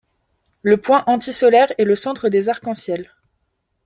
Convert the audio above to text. Le point antisolaire est le centre des arcs-en-ciel.